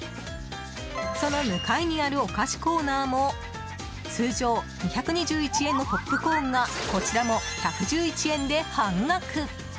その向かいにあるお菓子コーナーも通常２２１円のポップコーンがこちらも１１１円で半額。